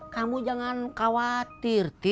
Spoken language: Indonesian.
kamu jangan khawatir tis